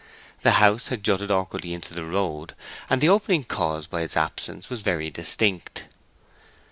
The house had jutted awkwardly into the road, and the opening caused by its absence was very distinct.